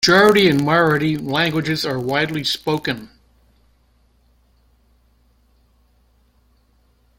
Gujarati and Marathi languages are widely spoken.